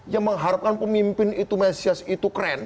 yang mengharapkan pemimpin itu mesious itu keren